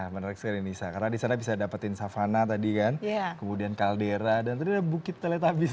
menarik sekali nisa karena di sana bisa dapetin savana tadi kan kemudian kaldera dan tadi ada bukit teletabis